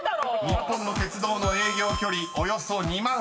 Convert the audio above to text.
［日本の鉄道の営業距離およそ２万８，０００ｋｍ。